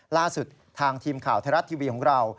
ล่าสุดทางทีมข่าวไทยรัฐทีวีของเรา